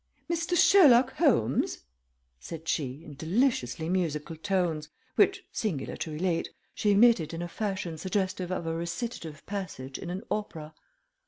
"Mr. Sherlock Holmes?" said she, in deliciously musical tones, which, singular to relate, she emitted in a fashion suggestive of a recitative passage in an opera.